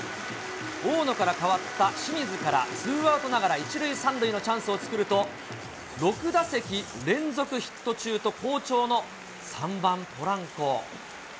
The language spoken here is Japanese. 大野から代わった清水からツーアウトながら１塁３塁のチャンスを作ると、６打席連続ヒット中と、好調の３番ポランコ。